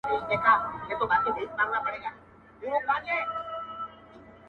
• پسرلیه نن دي رنګ د خزان راوی,